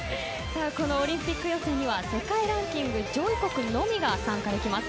このオリンピック予選には世界ランキング上位国のみが参加できます。